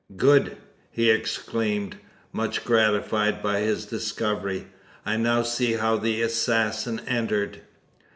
"Good!" he exclaimed, much gratified by this discovery. "I now see how the assassin entered.